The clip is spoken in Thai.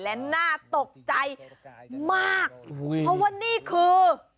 และน่าตกใจมากเพราะว่านี่คือ